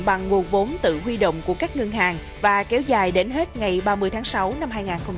bằng nguồn vốn tự huy động của các ngân hàng và kéo dài đến hết ngày ba mươi tháng sáu năm hai nghìn hai mươi